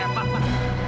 eh pak pak